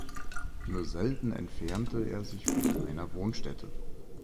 Nur selten entfernte er sich von seiner Wohnstätte.